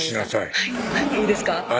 はいいいですか？